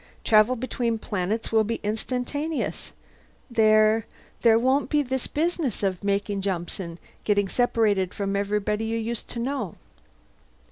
Travel between planets will be instantaneous. There there won't be this business of making jumps and getting separated from everyone you used to know."